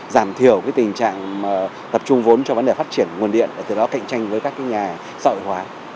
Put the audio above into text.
giảm thiểu cái tình trạng tập trung vốn cho vấn đề phát triển nguồn điện và từ đó cạnh tranh với các cái nhà sợi hóa